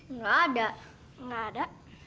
enggak ada enggak ada